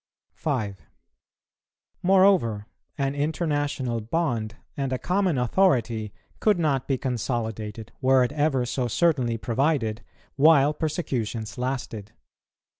5. Moreover, an international bond and a common authority could not be consolidated, were it ever so certainly provided, while persecutions lasted.